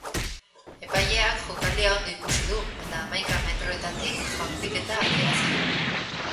Epaileak jokaldia ondo ikusi du eta hamaika metroetatik jaurtiketa adierazi du.